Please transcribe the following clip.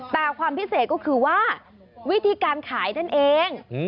แต่ความพิเศษก็คือว่าวิธีการขายนั่นเอง